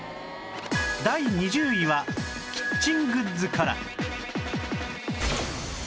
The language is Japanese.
第２０位はキッチングッズから